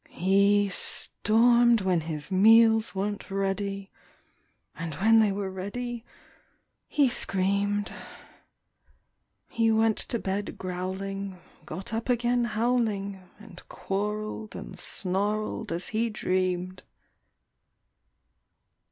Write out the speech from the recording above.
He stormed when his meals weren't ready, And when they were ready, he screamed. He went to bed growling, got up again howling And quarreled and snarled as he dreamed.